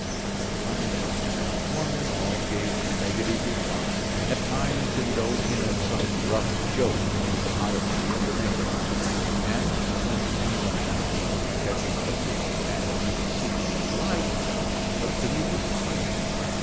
Alas! one and all gave a negative reply, at times indulging in some rough joke at the oddity of the name. And when any one asked the young detective what the man he was seeking was like, what could he reply?